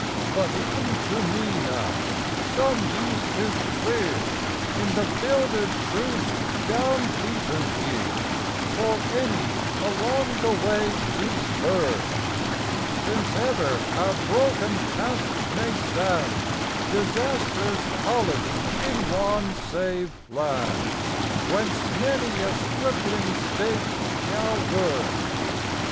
But e'en to me now some use is clear In the builded truth down beaten here For any along the way to spurn, Since ever our broken task may stand Disaster's college in one saved land, Whence many a stripling state shall learn.